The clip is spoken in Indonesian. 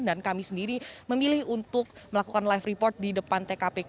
dan kami sendiri memilih untuk melakukan live report di depan tkp